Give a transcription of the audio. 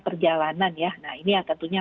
perjalanan ya nah ini yang tentunya